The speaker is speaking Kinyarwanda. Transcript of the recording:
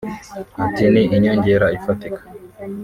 Ati ‘‘Ni inyongera ifatika